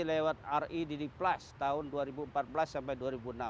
lewat red plus tahun dua ribu empat belas sampai dua ribu enam belas